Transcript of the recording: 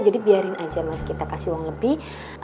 jadi biarin aja mas kita kasih uang lebih